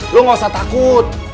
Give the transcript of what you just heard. lo gak usah takut